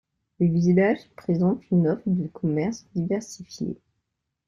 Le village présente une offre de commerces diversifiés.